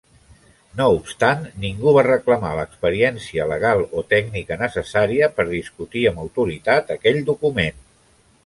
No obstant, ningú va reclamar l'experiència legal o tècnica necessària per discutir amb autoritat aquell document.